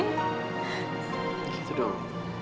ya gitu dong